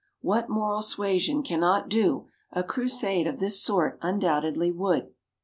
What moral suasion cannot do, a crusade of this sort undoubtedly would.